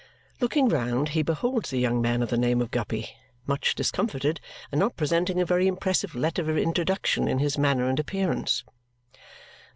Looking round, he beholds the young man of the name of Guppy, much discomfited and not presenting a very impressive letter of introduction in his manner and appearance.